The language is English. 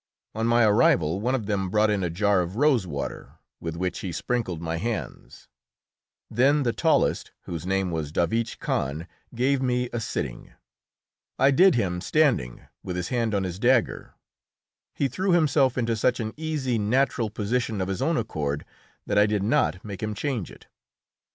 On my arrival one of them brought in a jar of rose water, with which he sprinkled my hands; then the tallest, whose name was Davich Kahn, gave me a sitting. I did him standing, with his hand on his dagger. He threw himself into such an easy, natural position of his own accord that I did not make him change it.